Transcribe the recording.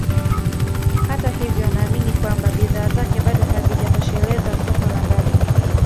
Hata hivyo anaamini kwamba bidhaa zake bado hazijatosheleza soko la ndani